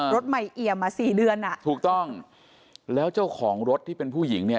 รถใหม่เอี่ยมอ่ะสี่เดือนอ่ะถูกต้องแล้วเจ้าของรถที่เป็นผู้หญิงเนี่ย